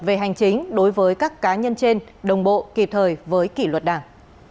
về hành chính đối với các cá nhân trên đồng bộ kịp thời với kỷ luật đảng